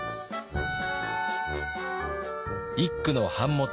一九の版元